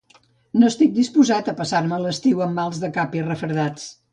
No estic disposat a passar-me l'estiu amb mals de cap i refredats